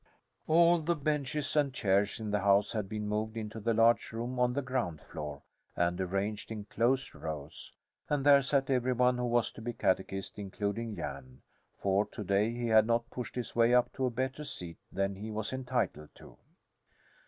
All the benches and chairs in the house had been moved into the large room on the ground floor and arranged in close rows, and there sat every one who was to be catechized, including Jan; for to day he had not pushed his way up to a better seat than he was entitled to.